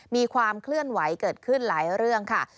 มีความเคลื่อนไหวเกิดขึ้นหลายเรื่องค่ะ